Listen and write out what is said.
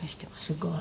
すごい。